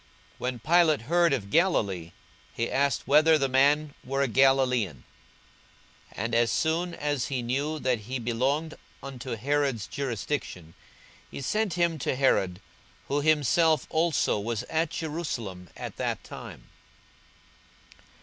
42:023:006 When Pilate heard of Galilee, he asked whether the man were a Galilaean. 42:023:007 And as soon as he knew that he belonged unto Herod's jurisdiction, he sent him to Herod, who himself also was at Jerusalem at that time.